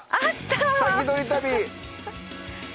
先取り旅！